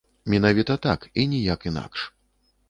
Менавіта так і ніяк інакш.